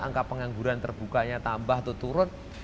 angka pengangguran terbukanya tambah atau turun